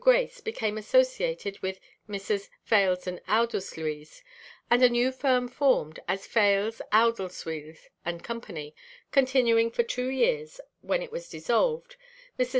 Grace became associated with Messrs. Fales & Oudesluys, and a new firm formed, as Fales, Oudesluys & Co., continuing for two years, when it was dissolved, Messrs.